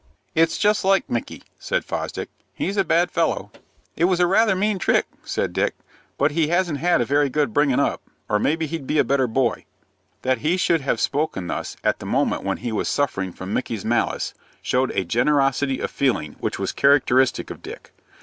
"It's just like Micky," said Fosdick. "He's a bad fellow." "It was rather a mean trick," said Dick; "but he hasn't had a very good bringin' up, or maybe he'd be a better boy." That he should have spoken thus, at the moment when he was suffering from Micky's malice, showed a generosity of feeling which was characteristic of Dick.